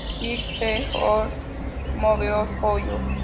Did the Earth Move for You?